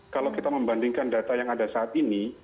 kalau kita membandingkan data yang ada saat ini